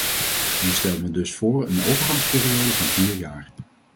Hier stelt men dus voor een overgangsperiode van vier jaar.